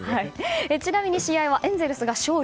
ちなみに試合はエンゼルスが勝利。